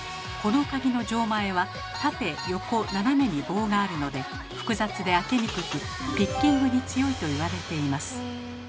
この鍵の錠前は縦・横・斜めに棒があるので複雑で開けにくくピッキングに強いと言われています。